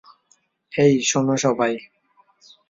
হেই, শোনো সবাই!